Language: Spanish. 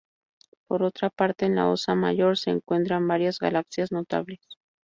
Por otra parte, en la Osa Mayor se encuentran varias galaxias notables.